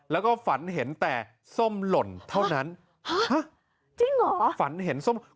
แล้วก็ฝันเห็นแต่ส้มหล่นเท่านั้นฮะจริงเหรอฝันเห็นส้ม